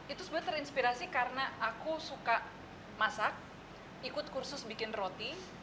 itu sebenarnya terinspirasi karena aku suka masak ikut kursus bikin roti